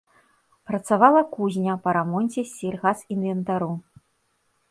Працавала кузня па рамонце сельгасінвентару.